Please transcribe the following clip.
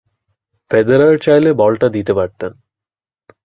Federer চাইলে বলটা ছেড়ে দিতে পারতেন।